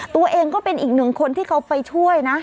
ตัวเองก็เป็นอีกหนึ่งคนที่เขาไปช่วยนะ